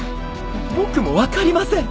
僕も分かりません！